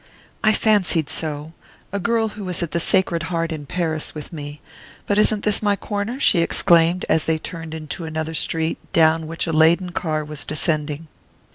"I fancied so a girl who was at the Sacred Heart in Paris with me. But isn't this my corner?" she exclaimed, as they turned into another street, down which a laden car was descending.